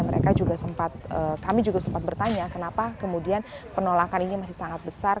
mereka juga sempat kami juga sempat bertanya kenapa kemudian penolakan ini masih sangat besar